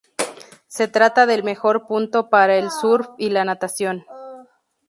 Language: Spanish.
Se trata del mejor punto para el surf y la natación.